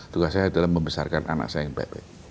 tugas saya adalah membesarkan anak saya yang baik baik